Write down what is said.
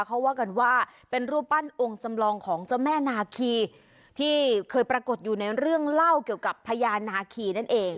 เขาว่ากันว่าเป็นรูปปั้นองค์จำลองของเจ้าแม่นาคีที่เคยปรากฏอยู่ในเรื่องเล่าเกี่ยวกับพญานาคีนั่นเอง